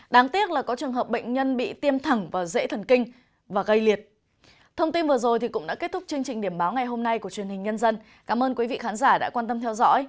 đáng tiếc là có trường hợp bệnh nhân bị tiêm thẳng và dễ thần kinh và gây liệt